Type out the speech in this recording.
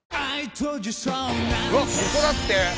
うわっここだって。